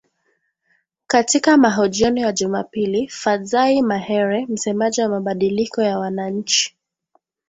Katika mahojiano ya Jumapili, Fadzayi Mahere, msemaji wa mabadiliko ya wananchi.